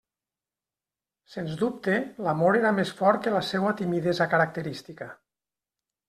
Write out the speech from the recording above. Sens dubte, l'amor era més fort que la seua timidesa característica.